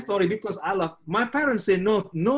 seperti ceritaku karena saya suka